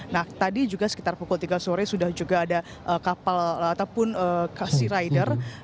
nah tadi juga sekitar pukul tiga sore sudah juga ada kapal ataupun cash rider